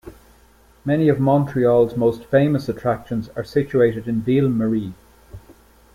Many of Montreal's most famous attractions are situated in Ville-Marie.